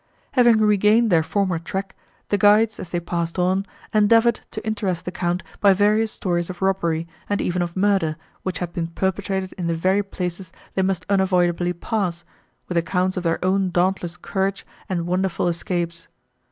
Having regained their former track, the guides, as they passed on, endeavoured to interest the Count by various stories of robbery, and even of murder, which had been perpetrated in the very places they must unavoidably pass, with accounts of their own dauntless courage and wonderful escapes.